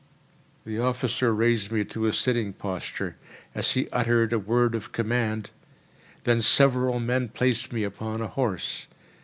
The officer raised me to a sitting posture, as he uttered a word of command; then several men placed me upon a horse.